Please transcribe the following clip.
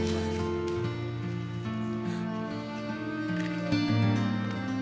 aku mau ke rumah